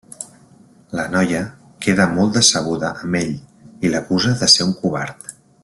La noia queda molt decebuda amb ell i l'acusa de ser un covard.